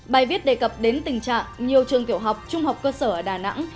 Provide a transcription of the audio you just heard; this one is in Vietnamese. bài viết đề cập đến tình trạng nhiều trường tiểu học trung học cơ sở ở đà nẵng